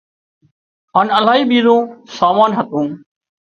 هانَ الاهي ٻيزون سامان هتون